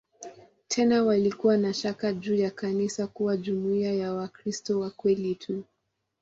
Tena walikuwa na shaka juu ya kanisa kuwa jumuiya ya "Wakristo wa kweli tu".